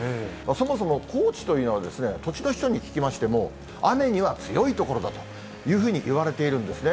そもそも高知というのは、土地の人に聞きましても、雨には強い所だというふうにいわれているんですね。